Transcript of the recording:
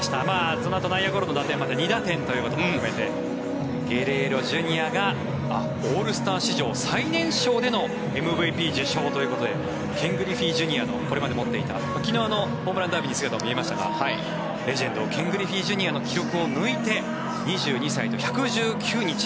そのあと内野ゴロで打点もあって２打点ということもあってゲレーロＪｒ．がオールスター史上最年少でのＭＶＰ受賞ということでケン・グリフィーＪｒ．のこれまで持っていた昨日ホームランダービーに姿を見せましたがレジェンドのケン・グリフィーＪｒ．の記録を抜いて２２歳と１１９日。